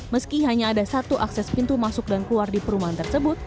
meski hanya ada satu akses pintu masuk dan keluar di perumahan tersebut